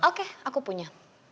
oke aku punya